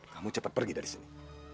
kamu cepat pergi dari sini